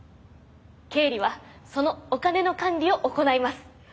経理はそのお金の管理を行います。